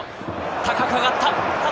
高く上がった！